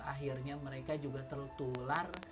akhirnya mereka juga tertular